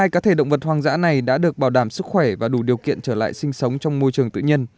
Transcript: hai mươi cá thể động vật hoang dã này đã được bảo đảm sức khỏe và đủ điều kiện trở lại sinh sống trong môi trường tự nhiên